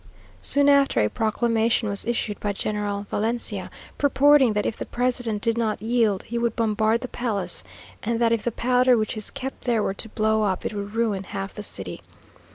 Soon after a proclamation was issued by General Valencia, purporting that if the president did not yield, he would bombard the palace; and that if the powder which is kept there were to blow up, it would ruin half the city.